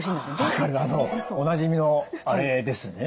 測るおなじみのあれですね。